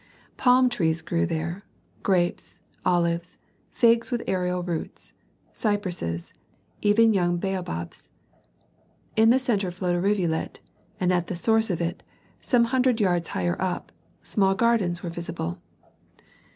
Palm trees grew there, grapes, olives, figs with aerial roots, cypresses, even young baobabs. In the centre flowed a rivulet, and at the source of it, some hundreds of yards higher up, small gardens were visible.